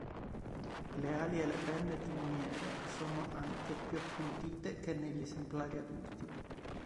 Le ali e le penne timoniere sono anche più appuntite che negli esemplari adulti.